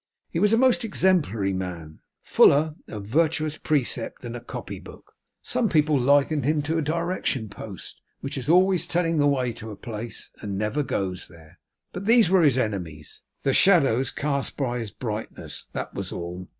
He was a most exemplary man; fuller of virtuous precept than a copy book. Some people likened him to a direction post, which is always telling the way to a place, and never goes there; but these were his enemies, the shadows cast by his brightness; that was all.